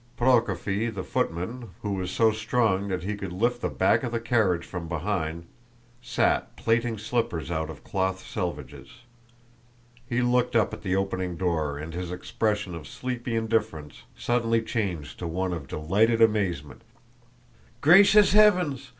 Prokófy, the footman, who was so strong that he could lift the back of the carriage from behind, sat plaiting slippers out of cloth selvedges. He looked up at the opening door and his expression of sleepy indifference suddenly changed to one of delighted amazement. "Gracious heavens!